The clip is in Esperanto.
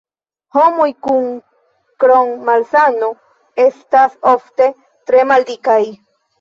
Homoj kun Crohn-malsano estas ofte tre maldikaj.